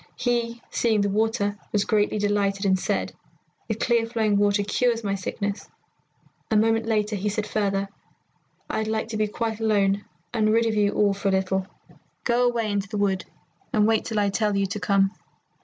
He, seeing the water, was greatly delighted, and said, 'The clear flowing water cures my sickness.' A moment later he said further, 'I'd like to be quite alone and rid of you all for a little. Go away into the wood and wait till I tell you to come.'